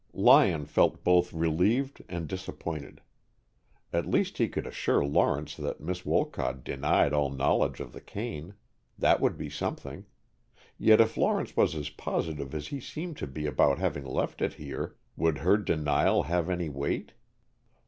Lyon felt both relieved and disappointed. At least he could assure Lawrence that Miss Wolcott denied all knowledge of the cane. That would be something. Yet if Lawrence was as positive as he seemed to be about having left it here, would her denial have any weight?